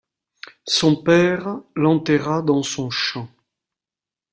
Son père l'enterra dans son champ.